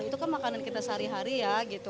itu kan makanan kita sehari hari ya gitu